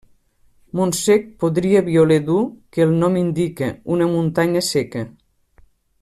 Montsec podria violer dur que el nom indica: una muntanya seca.